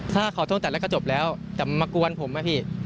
ถ้าขอโทษแต่แรกก็จบแล้วจะมากวนผมอะพี่